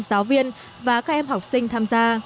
giáo viên và các em học sinh tham gia